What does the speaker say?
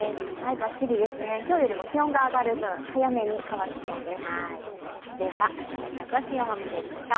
バッチリですね、今日よりも気温が上がる分早めに乾きそうです。